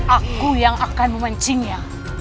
aku yang akan memancingnya